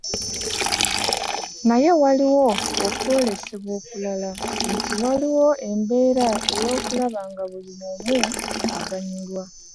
Naye waliwo okwolesebwa okulala: nti waliwo embeera ey’okulaba nga buli omu aganyulwa.